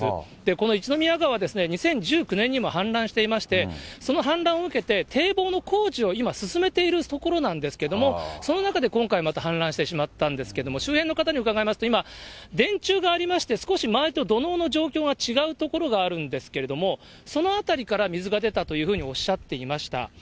この一宮川は、２０１９年にも氾濫していまして、その氾濫を受けて、堤防の工事を今、進めているところなんですけれども、その中で今回、また氾濫してしまったんですけれども、周辺の方に伺いますと、今、電柱がありまして、少し周りと土のうの状況が違う所があるんですけれども、その辺りから水が出たというふうにおっしゃっていました。